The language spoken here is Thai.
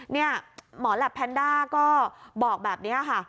นี่หมอแหลปแพนด้าก็บอกแบบนี้ค่ะ